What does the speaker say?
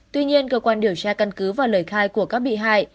tuy nhiên cơ quan điều tra căn cứ và lời khai của các bị hại